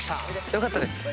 よかったです。